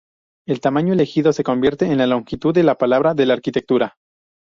El tamaño elegido se convierte en la longitud de palabra de la arquitectura.